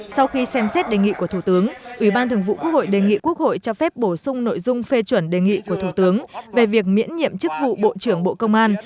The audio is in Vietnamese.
sau khi xem xét đề nghị của thủ tướng ủy ban thường vụ quốc hội đề nghị quốc hội cho phép bổ sung nội dung phê chuẩn đề nghị của thủ tướng về việc miễn nhiệm chức vụ bộ trưởng bộ công an